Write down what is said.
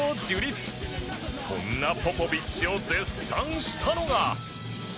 そんなポポビッチを絶賛したのが。